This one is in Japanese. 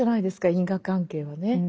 因果関係はね。